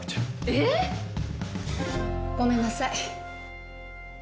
えっ！？ごめんなさい。